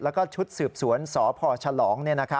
แล้วก็ชุดสืบสวนสพฉลอง